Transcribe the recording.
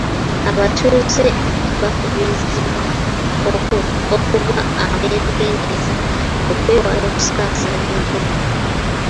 Abtuuze bakubirizibwa akuba abeegerndereza okwewala okusaasaanya Ebola.